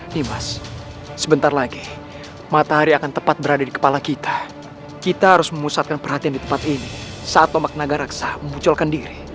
nih mas sebentar lagi matahari akan tepat berada di kepala kita kita harus memusatkan perhatian di tempat ini saat tomak naga raksa memunculkan diri